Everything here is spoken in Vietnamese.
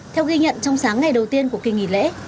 theo ghi nhận trong sáng ngày đầu tiên của kỳ nghỉ lễ